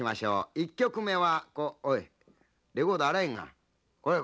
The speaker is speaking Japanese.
１曲目はおいレコードあらへんがな。